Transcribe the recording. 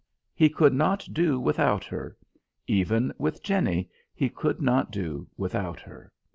He could not do without her; even with Jenny he could not do without her.